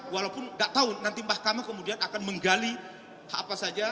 walaupun tidak tahu nanti mahkamah kemudian akan menggali apa saja